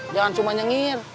jangan cuma nyengir